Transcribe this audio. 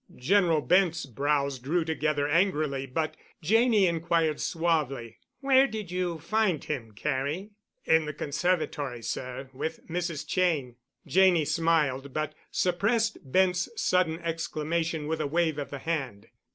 General Bent's brows drew together angrily, but Janney inquired suavely, "Where did you find him, Carey?" "In the conservatory, sir, with Mrs. Cheyne." Janney smiled, but suppressed Bent's sudden exclamation with a wave of the hand.